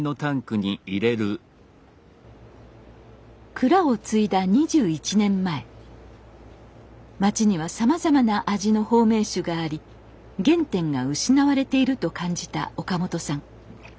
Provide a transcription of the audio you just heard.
蔵を継いだ２１年前町にはさまざまな味の保命酒があり原点が失われていると感じた岡本さん。